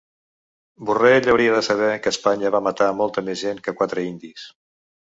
Borrell hauria de saber que Espanya va matar molta més gent que quatre indis